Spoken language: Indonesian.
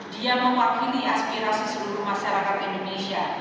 dia mewakili aspirasi seluruh masyarakat indonesia